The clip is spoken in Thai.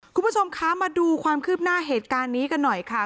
คุณผู้ชมคะมาดูความคืบหน้าเหตุการณ์นี้กันหน่อยค่ะ